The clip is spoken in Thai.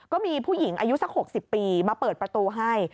ก็มีผู้หญิงอายุสัก๖๐ปีมาเปิดประตูให้